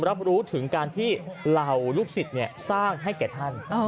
รับรู้ถึงการที่เหล่าลูกศิษย์สร้างให้แก่ท่าน